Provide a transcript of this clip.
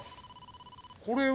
これは？